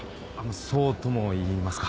そうとも言いますか。